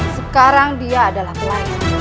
sekarang dia adalah pelayan